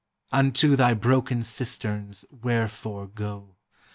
Unto thy broken cisterns wherefore go.